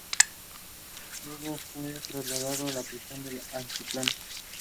Luego fue trasladado a la prisión del altiplano.